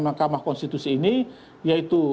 makamah konstitusi ini yaitu